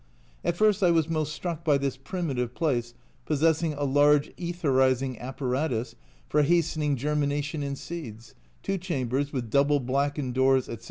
At first I was most struck by this ''primitive" place possessing a large aetherising apparatus for hasten ing germination in seeds, two chambers with double blackened doors, etc.